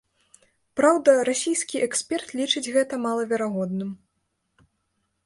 Праўда, расійскі эксперт лічыць гэта малаверагодным.